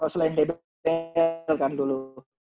selain dbl kan dulu